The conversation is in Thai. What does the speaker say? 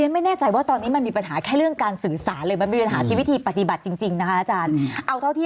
มันจะปฏิบัติแบบ๒ณภาษาได้ยังไง